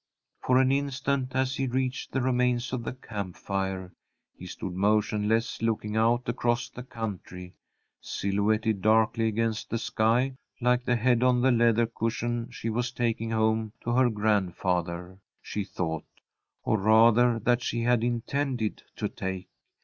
For an instant, as he reached the remains of the camp fire, he stood motionless, looking out across the country, silhouetted darkly against the sky, like the head on the leather cushion she was taking home to her grandfather, she thought, or rather that she had intended to take.